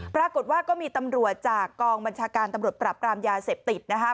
ปรากฏว่าก็มีตำรวจจากกองบัญชาการตำรวจปรับกรามยาเสพติดนะคะ